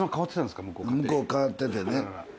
向こう変わっててね。